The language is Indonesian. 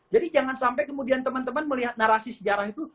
jadi jangan sampai kemudian teman teman melihat narasi sejarah itu